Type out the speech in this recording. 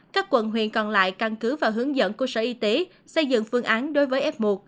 các quận huyện còn lại căn cứ và hướng dẫn của sở y tế xây dựng phương án đối với f một